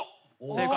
正解。